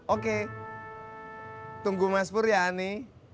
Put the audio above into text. oke tunggu mas pur ya ani